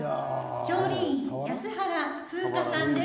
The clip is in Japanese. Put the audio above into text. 調理員、安原風花さんです。